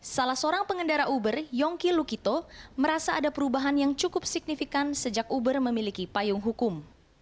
salah seorang pengendara uber yongki lukito merasa ada perubahan yang cukup signifikan sejak uber memiliki payung hukum